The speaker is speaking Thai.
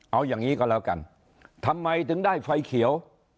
เอาอย่างนี้ก็แล้วกันทำไมถึงได้ไฟเขียว